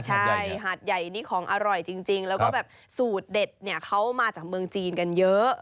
ใช่หาดใหญ่นี่ของอร่อยจริงแล้วก็แบบสูตรเด็ดเนี่ยเขามาจากเมืองจีนกันเยอะ